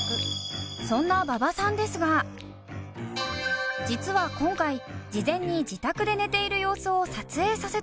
そんな馬場さんですが実は今回事前に自宅で寝ている様子を撮影させてもらったところ。